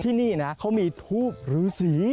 ที่นี่นะเขามีทูบหรือสี